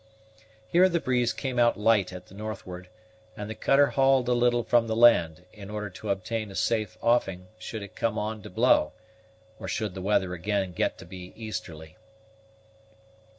Here the breeze came out light at the northward, and the cutter hauled a little from the land, in order to obtain a safe offing should it come on to blow, or should the weather again get to be easterly.